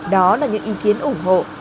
đó là những ý kiến ủng hộ